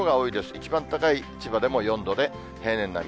一番高い千葉でも４度で、平年並み。